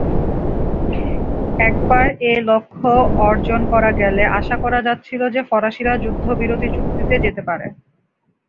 একবার এ লক্ষ্য অর্জন করা গেলে, আশা করা যাচ্ছিল যে ফরাসিরা যুদ্ধবিরতি চুক্তিতে যেতে পারে।